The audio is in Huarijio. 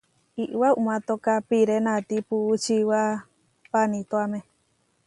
Iʼwá uʼmátoka piré natí puú čiwá panituáme.